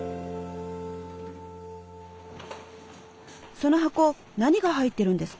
その箱何が入ってるんですか？